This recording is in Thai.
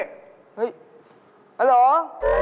เฮ่ยอัลโหล